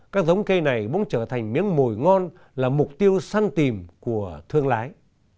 các giống cây này bỗng trở thành miếng mồi ngon là mục tiêu săn tìm của thương lái